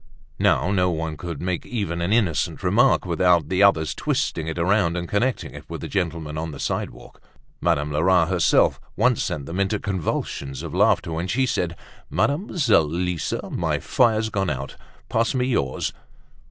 Now no one could make even an innocent remark without the others twisting it around and connecting it with the gentleman on the sidewalk. Madame Lerat herself once sent them into convulsions of laughter when she said, "Mademoiselle Lisa, my fire's gone out. Pass me yours."